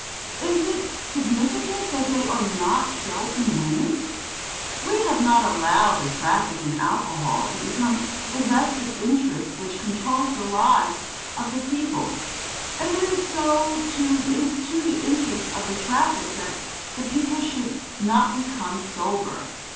(It is significant that they are not so in women.) We have allowed the traffic in alcohol to become a vested interest which controls the lives of the people, and it is to the interest of this traffic that the people should not become sober.